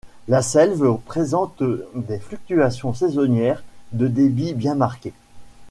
La Selves présente des fluctuations saisonnières de débit bien marquées.